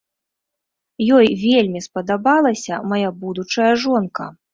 Ёй вельмі спадабалася мая будучая жонка.